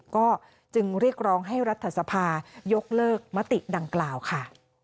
ก็จึงเรียกร้องให้รัฐสภายกเลิกมติดังกล่าวค่ะ